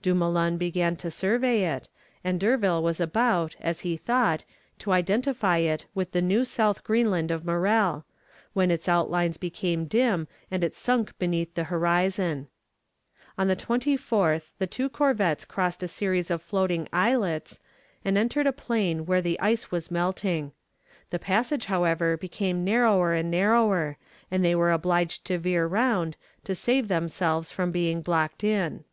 Dumoulin had begun to survey it, and D'Urville was about, as he thought, to identify it with the New South Greenland of Morrell, when its outlines became dim and it sunk beneath the horizon. On the 24th the two corvettes crossed a series of floating islets, and entered a plain where the ice was melting. The passage, however, became narrower and narrower, and they were obliged to veer round, to save themselves from being blocked in.